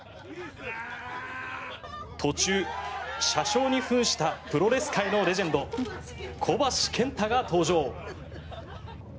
途中、車掌に扮したプロレス界のレジェンド小橋建太が登場。